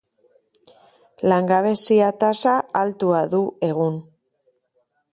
Langabezia-tasa altua du egun.